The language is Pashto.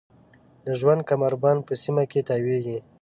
د ژوند کمربند په سیمه کې تاویږي.